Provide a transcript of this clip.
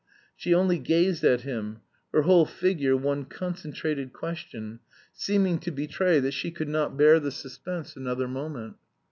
She only gazed at him, her whole figure one concentrated question, seeming to betray that she could not bear the suspense another moment.